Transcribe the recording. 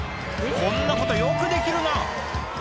こんなことよくできるな！